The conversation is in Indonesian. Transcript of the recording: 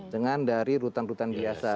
dengan dari rutan rutan biasa